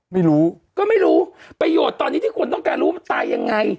ไม่รู้ก็ไม่รู้ประโยชน์ตอนนี้ที่คนต้องการรู้มันตายยังไง